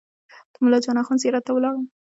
د ملا محمد جان اخوند زیارت ته ولاړم.